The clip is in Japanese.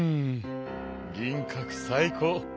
銀閣最高！